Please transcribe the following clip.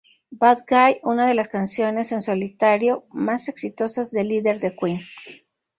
Bad Guy", una de las canciones en solitario más exitosas del líder de Queen.